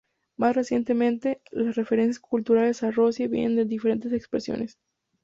Más recientemente, las referencias culturales a Rosie vienen de diferentes expresiones.